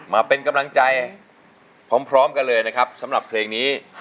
มาเป็นกำลังใจพร้อมกันเลยนะครับสำหรับเพลงนี้